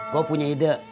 gua punya ide